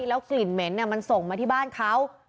แล้วกลิ่นเหม็นมันส่งมาที่บ้านเขา